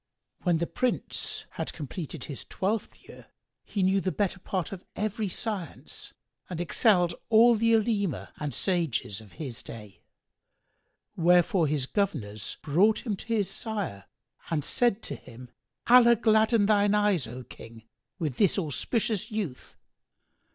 When the Prince had completed his twelfth year, he knew the better part of every science and excelled all the Olema and sages of his day: wherefore his governors brought him to his sire and said to him, "Allah gladden thine eyes, O King, with this auspicious youth!